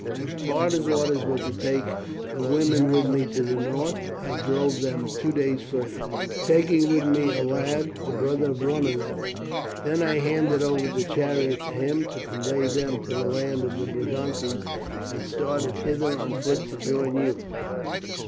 As Parta's orders were to take the women with me to the north, I drove them two days farther, taking with me a lad, the brother of one of them. Then I handed over the chariot to him, to convey them to the land of the Brigantes, and started hither on foot to join you."